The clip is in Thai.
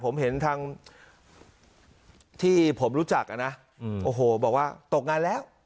ผมเห็นทางที่ผมรู้จักอ่ะนะโอ้โหบอกว่าตกงานแล้ว